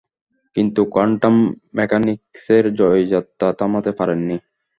কিন্তু কোয়ান্টাম মেকানিকসের জয়যাত্রা থামাতে পারেননি।